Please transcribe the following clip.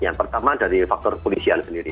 yang pertama dari faktor polisian sendiri